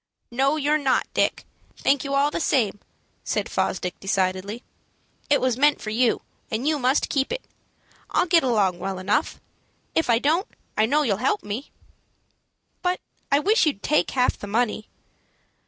"No, you're not, Dick. Thank you all the same," said Fosdick, decidedly. "It was meant for you, and you must keep it. I'll get along well enough. If I don't, I know you'll help me." "But I wish you'd take half the money."